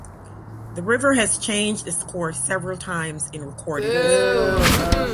The river has changed its course several times in recorded history.